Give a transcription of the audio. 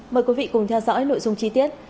mời quý vị cùng theo dõi nội dung chi tiết